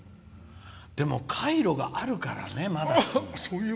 でも海路があるからね。